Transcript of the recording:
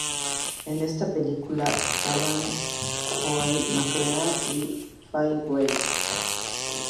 En esta película actuaban Joel McCrea y Fay Wray.